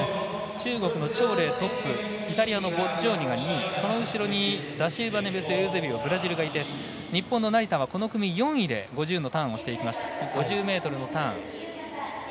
中国の張麗がトップイタリアのボッジョーニが２位その後ろダシウバネベスエウゼビオブラジルがいて日本の成田は、この組４位で５０ｍのターンをしました。